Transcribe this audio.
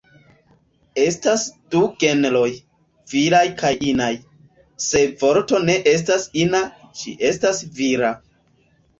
Estas du genroj: viraj kaj inaj, se vorto ne estas ina, ĝi estas vira.